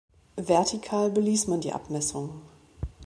Vertikal beließ man die Abmessungen.